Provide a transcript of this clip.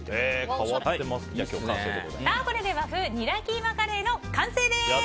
これで和風ニラキーマカレーの完成です。